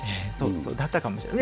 そうだったかもしれない。